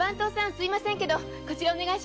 すいませんけどこちらお願いします。